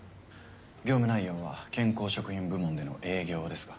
業務内容は健康食品部門での営業ですか。